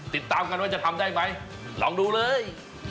ติดตามกันว่าจะทำได้ไหมลองดูเลย